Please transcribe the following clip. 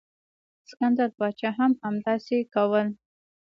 سکندر پاچا هم همداسې کول.